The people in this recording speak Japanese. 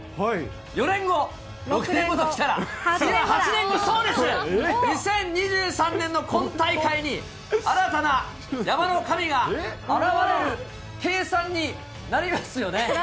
４年後、６年後と来たら、次は８年後、そうです、２０２３年の今大会に、新たな山の神が現れる計算になりますよね。